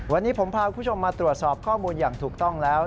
วันนี้ผมพาคุณผู้ชมมาตรวจสอบข้อมูลอย่างถูกต้องแล้ว